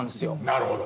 なるほど。